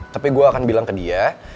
tapi gue akan bilang ke dia